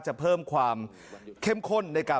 จะเพิ่มความเข้มข้นในการ